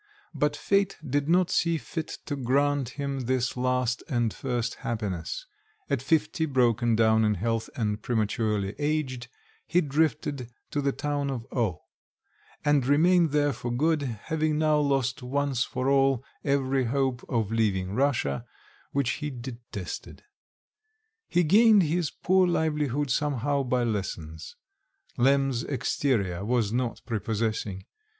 But fate did not see fit to grant him this last and first happiness: at fifty, broken down in health and prematurely aged, he drifted to the town of O , and remained there for good, having now lost once for all every hope of leaving Russia, which he detested. He gained his poor livelihood somehow by lessons. Lemm's exterior was not prepossessing.